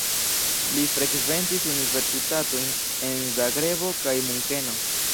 Li frekventis universitatojn en Zagrebo kaj Munkeno.